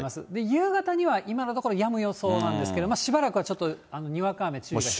夕方には今のところ、やむ予想なんですけど、しばらくはちょっとにわか雨、注意が必要。